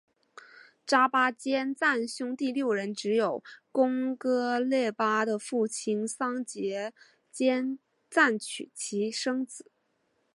扎巴坚赞兄弟六人只有贡噶勒巴的父亲桑结坚赞娶妻生子。